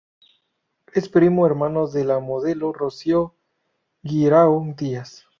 Es primo hermano de la modelo Rocío Guirao Díaz.